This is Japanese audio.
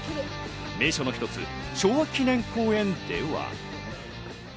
名所の一つ、昭和記念公園では。